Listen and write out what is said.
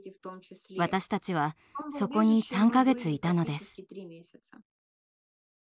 私たちはそこに３か月いたのです。